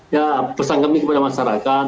ya pesan kami kepada masyarakat